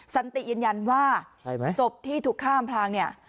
สันติยืนยันว่าศพที่ถูกข้ามพลางเนี่ย